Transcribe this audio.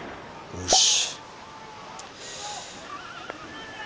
よし。